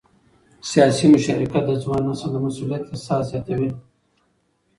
سیاسي مشارکت د ځوان نسل د مسؤلیت احساس زیاتوي